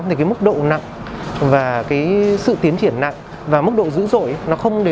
thì cái mức độ nặng và cái sự tiến triển nặng và mức độ dữ dội